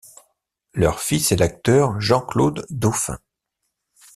Leur fils est l'acteur Jean-Claude Dauphin.